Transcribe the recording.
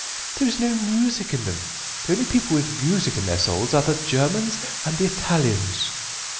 "They have no music in them. The only people with music in their souls are the Germans and the Italians."